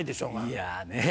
いやねぇ。